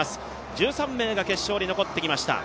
１３名が決勝に残ってきました。